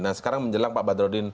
nah sekarang menjelang pak badrodin